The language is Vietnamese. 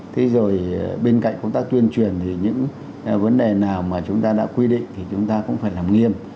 thế rồi bên cạnh công tác tuyên truyền thì những vấn đề nào mà chúng ta đã quy định thì chúng ta cũng phải làm nghiêm